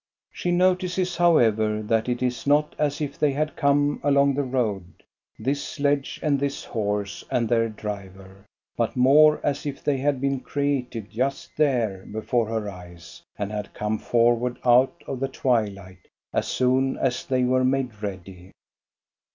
She notices, however, that it is not as if they had come along the road — this sledge, and this horse, and their driver — but more as if they had been created just there before her eyes, and had come for ward out of the twilight as soon as they were made ready.